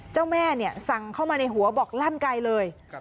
เจ้าแม่เนี่ยสั่งเข้ามาในหัวบอกลั่นไกลเลย